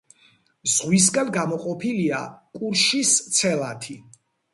ზღვისგან გამოყოფილია კურშის ცელათი.